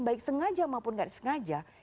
baik sengaja maupun tidak disengaja